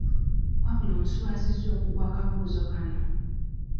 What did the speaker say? Wabula onswazizza okugwa akabuuzo kano.